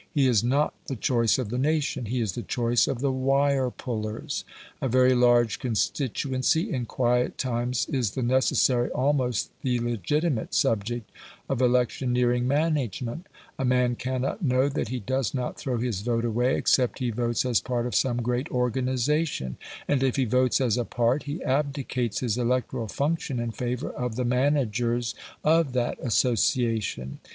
He is not the choice of the nation, he is the choice of the wire pullers. A very large constituency in quiet times is the necessary, almost the legitimate, subject of electioneering management: a man cannot know that he does not throw his vote away except he votes as part of some great organisation; and if he votes as a part, he abdicates his electoral function in favour of the managers of that association.